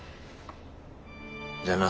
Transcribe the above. じゃあな。